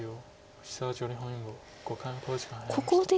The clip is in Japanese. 藤沢女流本因坊５回目の考慮時間に入りました。